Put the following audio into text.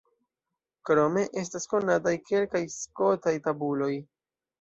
Krome estas konataj kelkaj skotaj tabuloj.